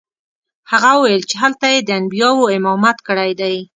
هغه وویل چې هلته یې د انبیاوو امامت کړی دی.